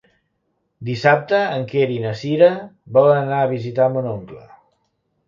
Dissabte en Quer i na Cira volen anar a visitar mon oncle.